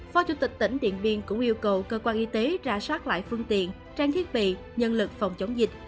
phó chủ tịch tỉnh điện biên cũng yêu cầu cơ quan y tế ra soát lại phương tiện trang thiết bị nhân lực phòng chống dịch